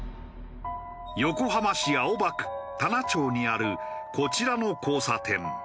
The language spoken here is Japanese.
横浜市青葉区田奈町にあるこちらの交差点。